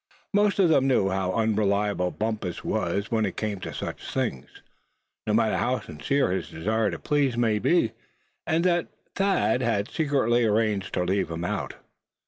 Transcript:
Most of them knew how unreliable Bumpus was when it came to such things, no matter how sincere his desire to please might be; and Thad had secretly arranged to leave him out.